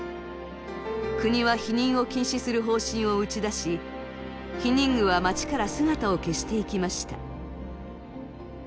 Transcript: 国は避妊を禁止する方針を打ち出し避妊具は街から姿を消していきました。